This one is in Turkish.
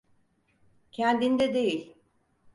Kendinde değil.